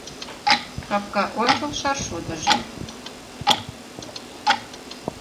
Капка ончыл шаршудыжо